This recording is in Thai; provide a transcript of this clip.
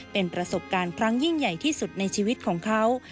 เป็นประสบการณ์ครั้งยิ่งใหญ่ที่สุดในชีวิตของเขา